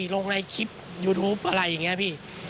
ลงในคลิปยูทูปอะไรอย่างนี้พี่